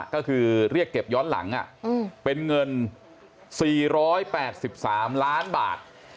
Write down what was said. ก็คือเรียกเก็บย้อนหลังเป็นเงิน๔๘๓ล้านบาท